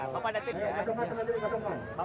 bapak datang nanti beli tiket